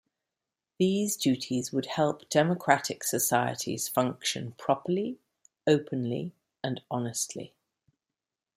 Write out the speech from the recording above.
These duties would help democratic societies function properly, openly, and honestly.